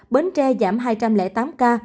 bến tre giảm hai trăm linh tám ca